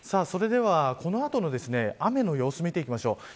それでは、この後の雨の様子を見ていきましょう。